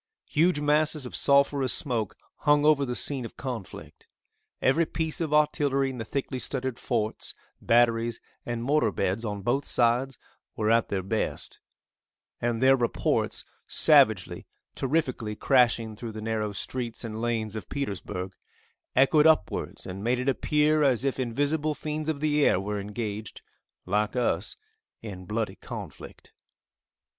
Huge masses of sulphurous smoke hung over the scene of conflict. Every piece of artillery in the thickly studded forts, batteries and mortar beds on both sides were at their best, and their reports savagely, terrifically crashing through the narrow streets and lanes of Petersburg, echoed upwards, and made it appear as if invisible fiends of the air were engaged, like us, in bloody conflict.